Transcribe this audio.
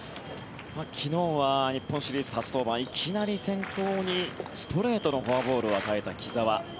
昨日は日本シリーズ初登板いきなり先頭にストレートのフォアボールを与えた木澤。